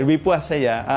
lebih puas aja